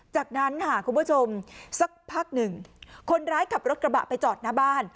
จากนั้นค่ะคุณผู้ชมสักพักหนึ่งคนร้ายขับรถกระบะไปจอดหน้าบ้าน